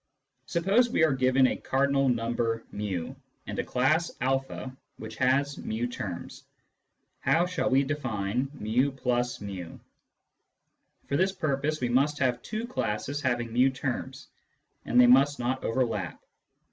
Suppose we are given a cardinal number [i, and a class a which has fi terms. How shall we define fi+fi ? For this purpose we must have two classes having fi terms, and they must not overlap.